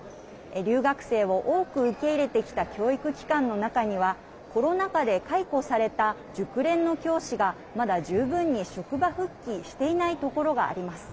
留学生を多く受け入れてきた教育機関の中にはコロナ禍で解雇された熟練の教師がまだ十分に職場復帰していないところがあります。